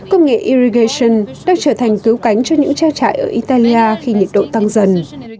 công nghệ irrigation đã trở thành cứu cánh cho những treo trại ở italia khi nhiệt độ tăng dần